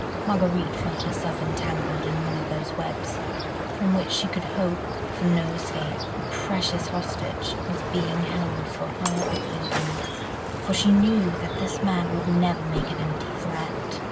Marguerite felt herself entangled in one of those webs, from which she could hope for no escape. A precious hostage was being held for her obedience: for she knew that this man would never make an empty threat.